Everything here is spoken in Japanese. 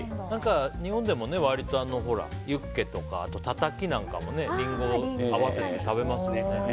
日本でも割とユッケとか、たたきなんかもリンゴを合わせて食べますもんね。